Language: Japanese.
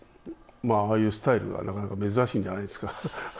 ああいうスタイルがなかなか珍しいんじゃないんですか？